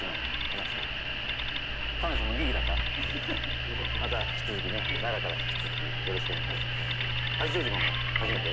また、引き続きね、奈良から引き続き、よろしくお願いします。